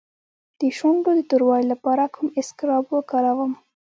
د شونډو د توروالي لپاره کوم اسکراب وکاروم؟